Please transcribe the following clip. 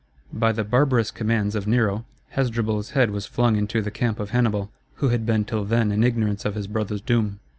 By the barbarous commands of Nero, Hasdrubal's head was flung into the camp of Hannibal, who had been till then in ignorance of his brother's doom.